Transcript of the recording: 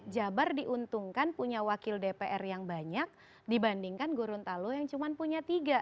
jabar diuntungkan punya wakil dpr yang banyak dibandingkan gorontalo yang cuma punya tiga